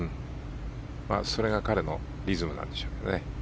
それが彼のリズムなんでしょうけどね。